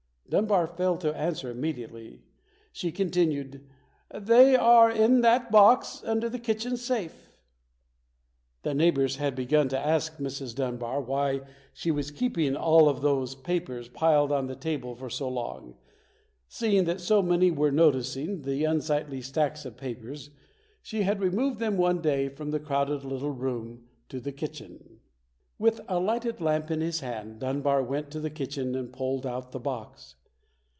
Dunbar failed to answer immediately. She con tinued, "They are in that box under the kitchen safe". The neighbors had begun to ask Mrs. Dunbar why she was keeping all of those papers piled on the table for so long. Seeing that so many were noticing the unsightly stacks of papers, she had removed them one day from the crowded little room to the kitchen. With a lighted lamp in his hand, Dunbar went to the kitchen and pulled out the box.